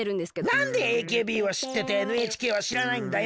なんでＡＫＢはしっててＮＨＫはしらないんだよ。